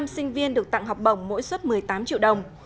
hai mươi năm sinh viên được tặng học bổng mỗi xuất một mươi tám triệu đồng